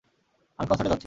আমি কনসার্টে যাচ্ছি।